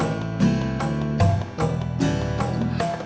kab stories juga baik